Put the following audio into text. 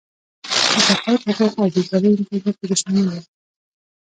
د تقاعد حقوق او بېکارۍ امتیازات پکې شامل وو.